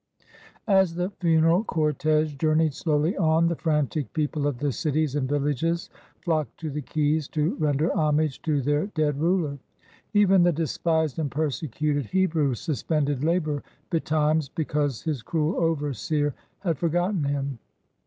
As the funeral cortege journeyed slowly on, the frantic people of the cities and villages flocked to the quays to render homage to their dead ruler. Even the despised and persecuted Hebrew suspended labor betimes because his cruel overseer had forgotten him.